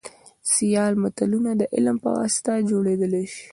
سیال ملتونه دعلم په واسطه جوړیدلی شي